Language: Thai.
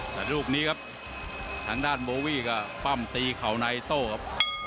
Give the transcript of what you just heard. แต่ลูกนี้ครับทางด้านโบวี่ก็ปั้มตีเข่าในโต้ครับ